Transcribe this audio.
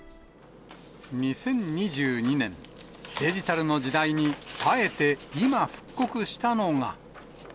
２０２２年、デジタルの時代に、あえて今、復刻したのが。